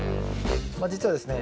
実はですね